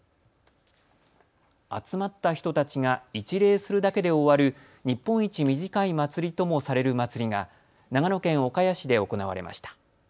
集まった人たちが一礼するだけで終わる日本一短い祭りともされる祭りが長野県岡谷市で行われました。